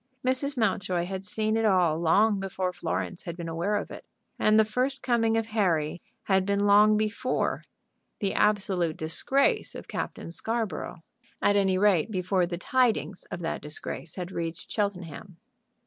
Mrs. Mountjoy had seen it all long before Florence had been aware of it. And the first coming of Harry had been long before the absolute disgrace of Captain Scarborough, at any rate, before the tidings of that disgrace had reached Cheltenham.